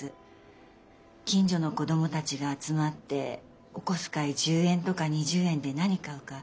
近所の子どもたちが集まってお小遣い１０円とか２０円で何買うか。